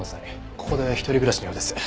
ここで一人暮らしのようです。